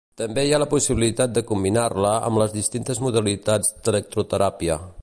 També hi ha la possibilitat de combinar-la amb les distintes modalitats d'electroteràpia.